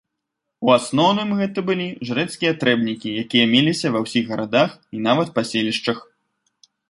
У асноўным гэта былі жрэцкія трэбнікі, якія меліся ва ўсіх гарадах і нават паселішчах.